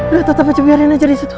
nah nah tetep aja biarin aja disitu